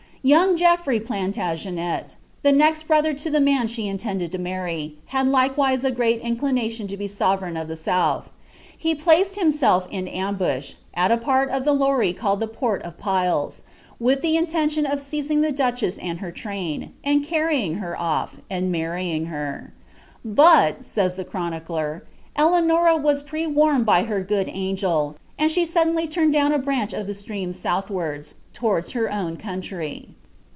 Young Geoffrey Plantagenet, the otii brother to the man she intended to marry, had likewise a great incline lion to be sovereign of the south. He placed himself hi atnbush, tl > part of the Loire called ihe Port of Piles, wiih ihe intention of sanig Ihe duchess and her train, and carrj ing her oft and marr% ing her. " Bol," snys the chronicler, " Eleanors was pre wamed by her good angel, ud she suddenly turned down a branch of the stream soulhwarda, towaiA her own country."